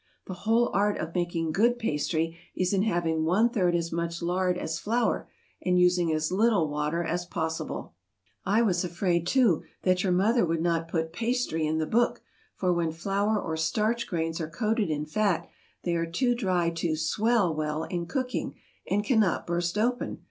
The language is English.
The whole art of making good pastry is in having one third as much lard as flour, and using as little water as possible. "I was afraid, too, that your mother would not put 'pastry' in the book, for when flour or starch grains are coated in fat they are too dry to 'swell' well in cooking, and cannot burst open.